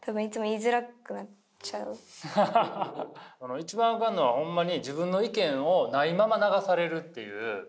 一番あかんのはほんまに自分の意見をないまま流されるという。